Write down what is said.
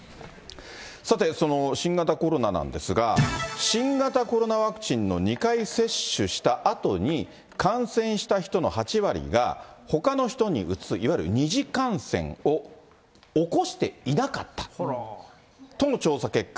さて、新型コロナなんですが、新型コロナワクチンの２回接種したあとに、感染した人の８割がほかの人にうつす、いわゆる二次感染を起こしていなかったとの調査結果。